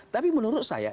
tapi menurut saya